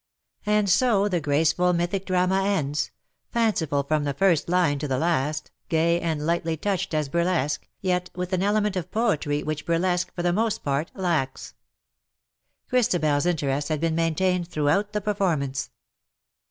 And so the graceful mythic drama ends — fanciful from the first line to the last, gay and lightly touched as burlesque, yet with an element of poetry which burlesque for the most part lacks. ChristabeFs interest had been maintained throughout the performance.